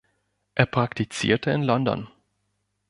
Er praktizierte in London.